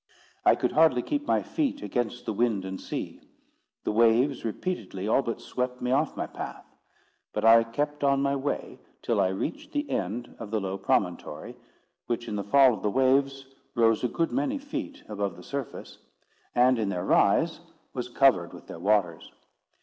I could hardly keep my feet against the wind and sea. The waves repeatedly all but swept me off my path; but I kept on my way, till I reached the end of the low promontory, which, in the fall of the waves, rose a good many feet above the surface, and, in their rise, was covered with their waters.